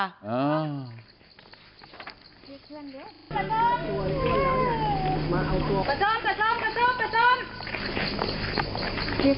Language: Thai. เจ๊เพื่อนเด็กปลาส้มปลาส้มปลาส้มปลาส้ม